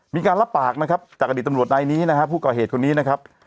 มีการรับปากนะครับจากอดีตตำรวจนายนี้นะฮะผู้ก่อเหตุคนนี้นะครับ